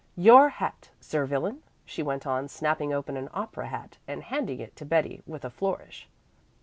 Your hat, sir villain," she went on, snapping open an opera hat and handing it to Betty with a flourish.